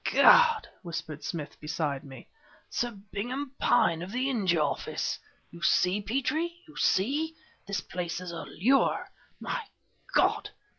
"Gad!" whispered Smith, beside me "Sir Byngham Pyne of the India Office! You see, Petrie! You see! This place is a lure. My God!